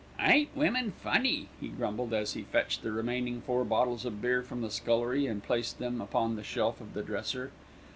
"Ain't women funny," he grumbled, as he fetched the remaining four bottles of beer from the scullery, and placed them upon the shelf of the dresser.